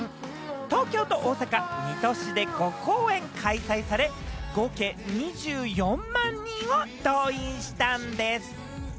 東京と大阪２都市で５公演が開催され、合計２４万人を動員したんでぃす。